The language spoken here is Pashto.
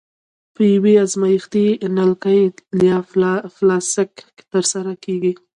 په یوې ازمایښتي نلکې یا فلاسک کې ترسره کیږي.